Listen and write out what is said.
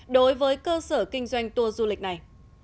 đối với cơ sở kinh doanh tour du lịch này